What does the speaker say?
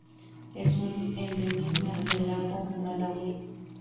Es un endemismo del lago Malawi.